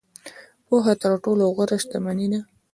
• پوهه تر ټولو غوره شتمني ده.